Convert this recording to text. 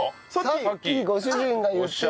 さっきご主人が言ってた。